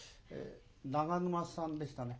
長沼さんでしたね？